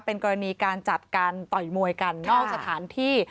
เป็นกรณีการจัดการต่อยมวยกันนอกสถานที่